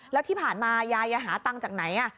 แล้วที่ผ่านมายายหาตังค์จากไหน